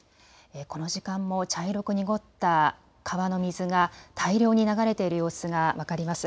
この時間も茶色く濁った川の水が大量に流れている様子が分かります。